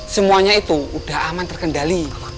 semuanya itu udah aman terkendali